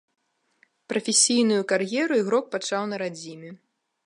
Прафесійную кар'еру ігрок пачаў на радзіме.